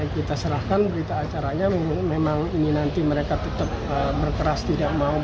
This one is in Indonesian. kita serahkan berita acaranya memang ini nanti mereka tetap berkeras tidak mau